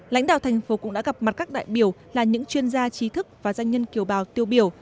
lãnh đạo thành phố cũng đã gặp mặt các đại biểu là những chuyên gia trí thức và doanh nhân kiểu bào tiêu biểu